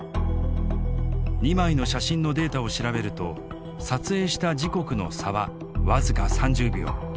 ２枚の写真のデータを調べると撮影した時刻の差は僅か３０秒。